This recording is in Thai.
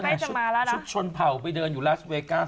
นางใส่ชุดชนเผ่าไปเดินอยู่รัสเวกัส